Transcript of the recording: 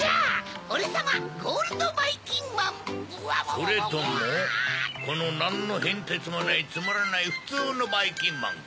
それともこのなんのへんてつもないつまらないふつうのばいきんまんか？